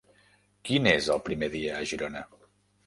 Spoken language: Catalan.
Quin és el primer dia a Girona?